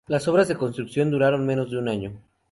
Las obras de construcción duraron menos de un año.